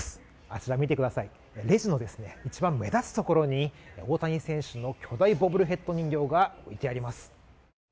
あちら、レジの一番目立つところに大谷選手の巨大ボブルヘッド人形が置いてあります。